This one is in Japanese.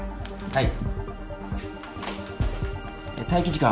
はい。